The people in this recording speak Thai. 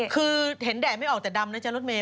คือเห็นแดดไม่ออกแต่ดำนะจ๊ะรถเมย